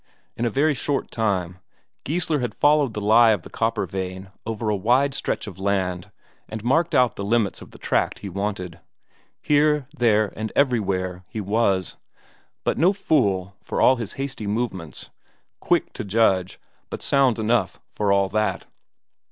In a very short time Geissler had followed the lie of the copper vein over a wide stretch of land and marked out the limits of the tract he wanted. Here, there, and everywhere he was. But no fool, for all his hasty movements; quick to judge, but sound enough for all that.